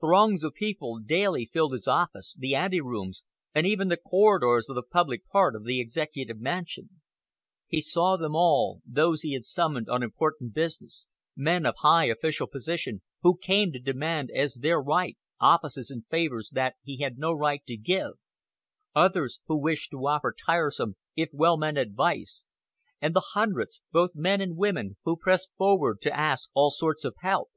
Throngs of people daily filled his office, the ante rooms, and even the corridors of the public part of the Executive Mansion. He saw them all, those he had summoned on important business, men of high official position who came to demand as their right offices and favors that he had no right to give; others who wished to offer tiresome if well meant advice; and the hundreds, both men and women, who pressed forward to ask all sorts of help.